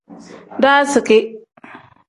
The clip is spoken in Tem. Daaziki.